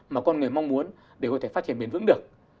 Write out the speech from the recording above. mà con người mong muốn để có thể phát triển bền vững được